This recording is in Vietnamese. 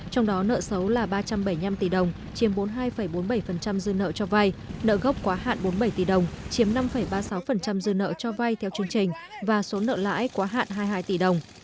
trong đó nợ xấu là ba trăm bảy mươi năm tỷ đồng chiếm bốn mươi hai bốn mươi bảy dư nợ cho vay nợ gốc quá hạn bốn mươi bảy tỷ đồng chiếm năm ba mươi sáu dư nợ cho vay theo chương trình và số nợ lãi quá hạn hai mươi hai tỷ đồng